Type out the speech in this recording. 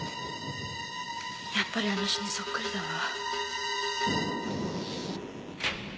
やっぱりあの詩にそっくりだわ。